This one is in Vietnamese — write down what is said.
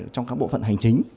trong các bộ phận hành chính